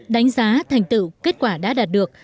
đánh giá thành tựu kết quả đã đạt được